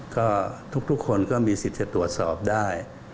ก็ทุกคนก็มีสิทธิ์จะตรวจสอบได้